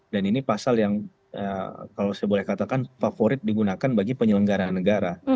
dan ini pasal yang kalau saya boleh katakan favorit digunakan bagi penyelenggaran negara